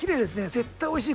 絶対おいしい。